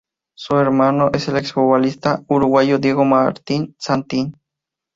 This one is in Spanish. Su hermano es el exfutbolista uruguayo Diego Martín Santín.